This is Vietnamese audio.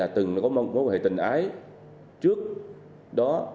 từng có mối quan hệ tình ái trước đó